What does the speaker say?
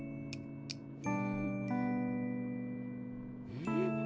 うん？